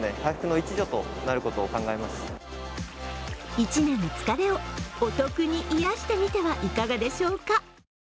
１年の疲れを、お得に癒やしてみてはいかがでしょうか。